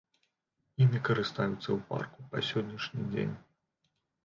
Імі карыстаюцца ў парку па сённяшні дзень.